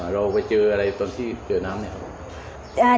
เราไปเจออะไรตอนที่เจอน้ำเนี่ยครับ